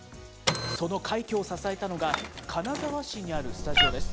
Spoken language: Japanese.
その快挙を支えたのが、金沢市にあるスタジオです。